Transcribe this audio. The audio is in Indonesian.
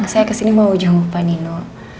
saya kesini mau jumpa nino